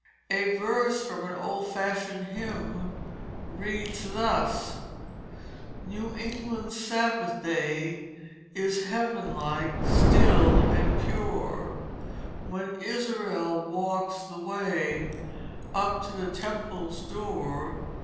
A verse from an old fashioned hymn reads thus: "New England's Sabbath day Is heaven like, still, and pure, When Israel walks the way Up to the temple's door.